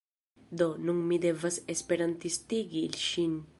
Do, nun mi devas esperantistigi ŝin